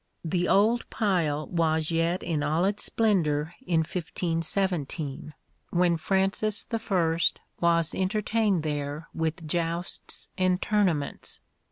The old pile was yet in all its splendour in 1517, when Francis I. was entertained there with jousts and tournaments.